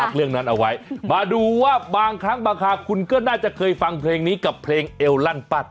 เรื่องนั้นเอาไว้มาดูว่าบางครั้งบางคราคุณก็น่าจะเคยฟังเพลงนี้กับเพลงเอวลั่นปัด